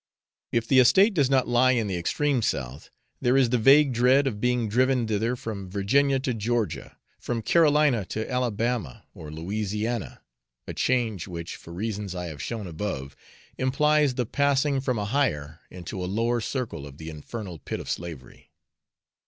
If the estate does not lie in the extreme south, there is the vague dread of being driven thither from Virginia to Georgia, from Carolina to Alabama, or Louisiana, a change which, for reasons I have shown above, implies the passing from a higher into a lower circle of the infernal pit of slavery.